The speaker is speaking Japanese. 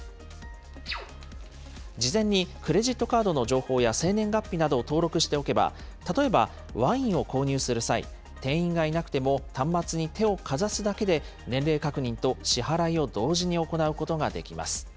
事前にクレジットカードの情報や生年月日などを登録しておけば、例えばワインを購入する際、店員がいなくても端末に手をかざすだけで年齢確認と支払いを同時に行うことができます。